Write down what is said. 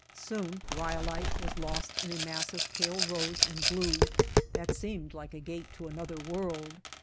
Soon Ryolite was lost in a mass of pale rose and blue that seemed like a gate to another world.